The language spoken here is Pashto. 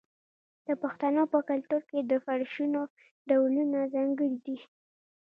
د پښتنو په کلتور کې د فرشونو ډولونه ځانګړي دي.